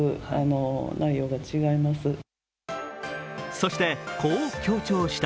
そして、こう強調した。